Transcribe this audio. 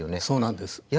そうなんです。